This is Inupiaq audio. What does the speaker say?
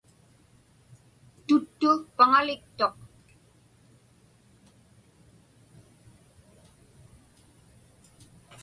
Tuttu paŋaliktuq.